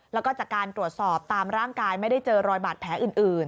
แล้วก็จากการตรวจสอบตามร่างกายไม่ได้เจอรอยบาดแผลอื่น